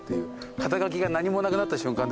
肩書が何もなくなった瞬間ですね。